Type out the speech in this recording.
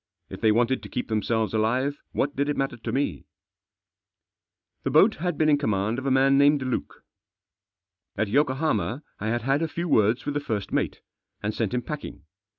If they wanted to keep theni selves alive, what did it matter to me ? The boat had been in command of a man named Luke. At Yokohama I had had a few words with the first mate, and sent him packing.